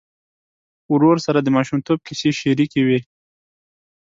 ورور سره د ماشومتوب کیسې شريکې وې.